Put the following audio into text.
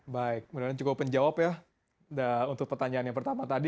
baik mudah mudahan cukup menjawab ya untuk pertanyaan yang pertama tadi